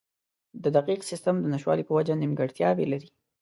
د دقیق سیستم د نشتوالي په وجه نیمګړتیاوې لري.